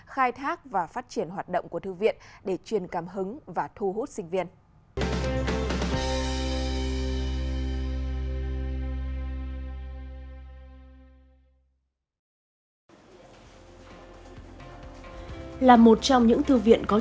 khai thác và phát triển hoạt động của thư viện để truyền cảm hứng và thu hút sinh viên